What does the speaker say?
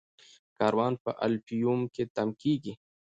کاروان په الفیوم کې تم کیږي.